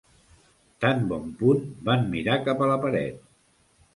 Tan bon punt van mirar cap a la paret.